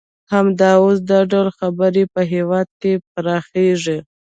همدا اوس دا ډول خبرې په هېواد کې پراخیږي